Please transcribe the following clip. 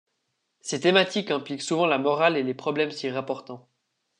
Ses thématiques impliquent souvent la morale et les problèmes s'y rapportant.